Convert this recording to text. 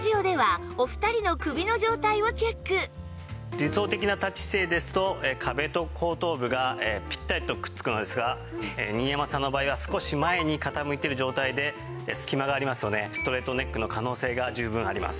理想的な立ち姿勢ですと壁と後頭部がピッタリとくっつくのですが新山さんの場合は少し前に傾いている状態ですき間がありますのでストレートネックの可能性が十分あります。